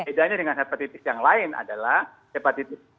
bedanya dengan hepatitis yang lain adalah hepatitis